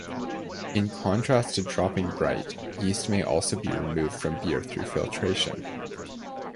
In contrast to dropping bright, yeast may also be removed from beer through filtration.